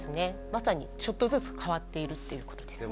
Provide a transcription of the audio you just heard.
まさにちょっとずつ変わっているということですね。